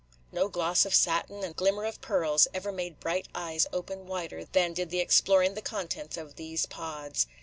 No gloss of satin and glimmer of pearls ever made bright eyes open wider than did the exploring the contents of these pods.